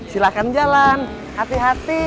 silakan jalan hati hati